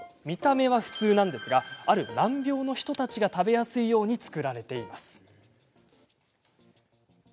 見た目は普通ですがある難病の人たちが食べやすいように作られています。